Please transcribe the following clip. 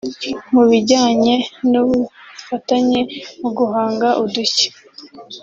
mu bijyanye n’ubufatanye mu guhanga udushya